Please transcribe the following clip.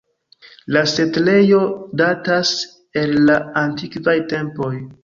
La setlejo datas el la antikvaj tempoj.